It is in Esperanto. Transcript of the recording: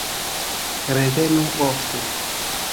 Revenu ofte!